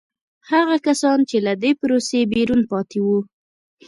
هغه کسان چې له دې پروسې بیرون پاتې وو.